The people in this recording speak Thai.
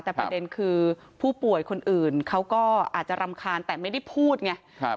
แต่ประเด็นคือผู้ป่วยคนอื่นเขาก็อาจจะรำคาญแต่ไม่ได้พูดไง